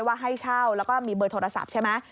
ว่าให้เช่าแล้วก็มีเบอร์โทรศัพท์ใช่ไหม